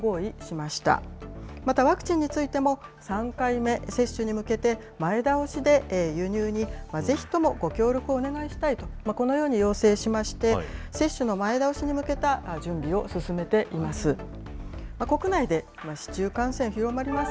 またワクチンについても、３回目接種に向けて、前倒しで輸入にぜひともご協力をお願いしたいと、このように要請しまして、接種の前倒しに向けた準備を進めています。